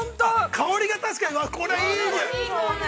◆香りが確かに、これはいい匂い。